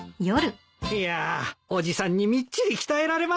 いや伯父さんにみっちり鍛えられました。